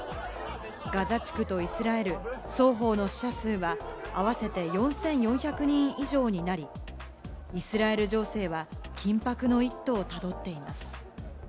ガザ地区とイスラエル、双方の死者数は合わせて４４００人以上になり、イスラエル情勢は緊迫の一途をたどっています。